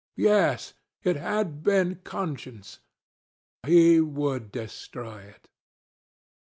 Yes, it had been conscience. He would destroy it.